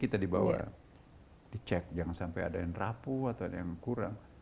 kita dibawa dicek jangan sampai ada yang rapuh atau ada yang kurang